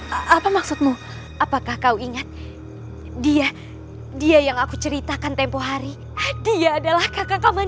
hai apa maksudmu apakah kau ingat dia dia yang aku ceritakan tempoh hari dia adalah kakak kaman